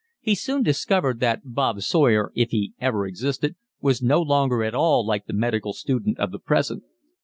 He soon discovered that Bob Sawyer, if he ever existed, was no longer at all like the medical student of the present.